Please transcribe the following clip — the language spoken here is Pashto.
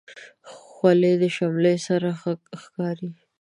خولۍ د شملې سره ښه ښکاري.